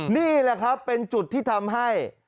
นี่แหละครับเป็นจุดที่ทำให้